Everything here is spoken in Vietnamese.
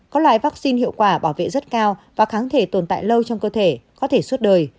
có loại vaccine hiệu quả bảo vệ rất cao và kháng thể tồn tại lâu trong cơ thể có thể suốt đời